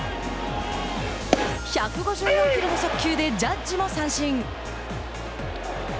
１５４キロの速球でジャッジも三振。